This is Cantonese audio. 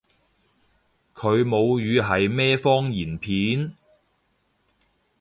佢母語係咩方言片？